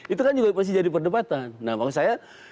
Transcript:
itu kan juga pasti jadi perdebatan nah maksud saya